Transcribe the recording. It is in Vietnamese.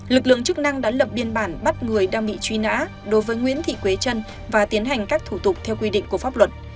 lực lượng chức năng đã lập biên bản bắt người đang bị truy nã đối với nguyễn thị quế trân và tiến hành các thủ tục theo quy định của pháp luật